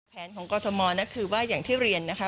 แผนของกรทมคือว่าอย่างที่เรียนนะคะ